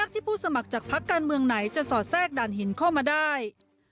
ที่ผู้สมัครจากพักการเมืองไหนจะสอดแทรกด่านหินเข้ามาได้